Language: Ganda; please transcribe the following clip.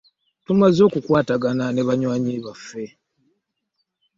Tumaze okukwatagana ne banywanyi baffe.